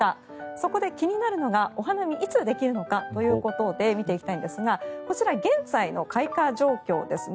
そこで気になるのがお花見いつできるのかということで見ていきたいんですがこちら、現在の開花状況ですね。